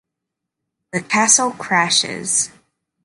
The castle crashes.